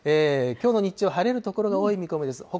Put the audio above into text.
きょうの日中、晴れる所が多い見込みです。